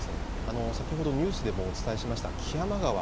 先ほどニュースでもお伝えしました